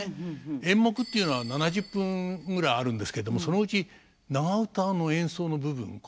演目っていうのは７０分ぐらいあるんですけれどもそのうち長唄の演奏の部分これが半分近くあるんです。